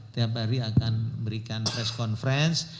tiap hari akan memberikan press conference